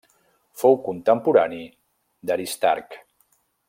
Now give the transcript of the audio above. Fou contemporani d'Aristarc.